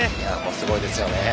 すごいですよね。